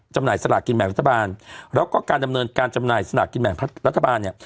จำหน่ายสลากินแบ่งรัฐบาลแล้วก็การดำเนินการจำหน่ายสลากกินแบ่งรัฐบาลเนี่ย